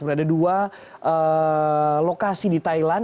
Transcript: berada dua lokasi di thailand